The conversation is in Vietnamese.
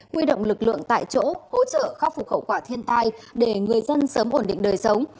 huy động lực lượng tại chỗ hỗ trợ khắc phục khẩu quả thiên tai để người dân sớm ổn định đời sống